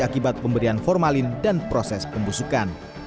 akibat pemberian formalin dan proses pembusukan